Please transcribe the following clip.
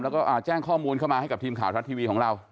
แล้วก็แจ้งข้อมูลเข้ามาให้กับทีมข่าวทรัฐทีวีของเรา